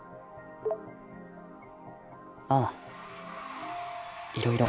ああいろいろ。